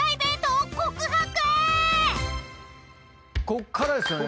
こっからですよね。